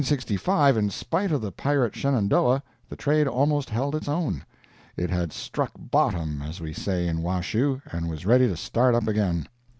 But in 1865, in spite of the pirate Shenandoah, the trade almost held its own; it had "struck bottom," as we say in Washoe, and was ready to start up again.